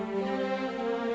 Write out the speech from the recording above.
aku mau ke rumah